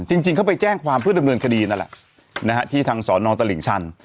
จริงเขาไปแจ้งความเพื่อดำเนินคดีนั่นแหละนะฮะที่ทางสอนอตลิ่งชัน